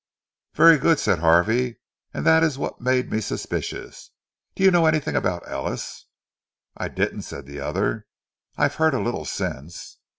"Very good," said Harvey, "and that is what made me suspicious. Do you know anything about Ellis?" "I didn't," said the other. "I've heard a little since."